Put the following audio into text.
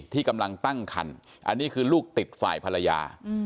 ที่กำลังตั้งคันอันนี้คือลูกติดฝ่ายภรรยา